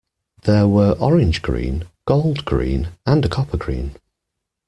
There were orange-green, gold-green, and a copper-green.